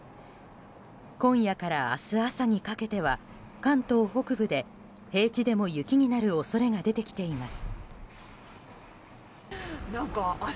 今夜から明日朝にかけては関東北部で、平地でも雪になる恐れが出てきています。